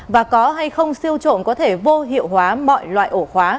và có hay không siêu trộm có thể vô hiệu hóa mọi loại ổ khóa